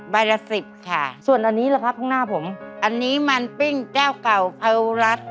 ละสิบค่ะส่วนอันนี้แหละครับข้างหน้าผมอันนี้มันปิ้งเจ้าเก่าเภารัส